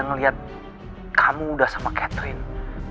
dia ngeliat kamu udah sama catherine